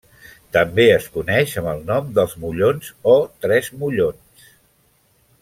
També es coneix amb el nom dels mollons, o Tres Mollons.